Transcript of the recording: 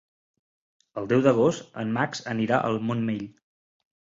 El deu d'agost en Max anirà al Montmell.